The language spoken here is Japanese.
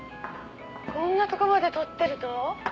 「こんなとこまで撮ってるの？」